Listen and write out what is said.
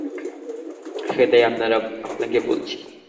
সেটাই আপনাকে বলছি!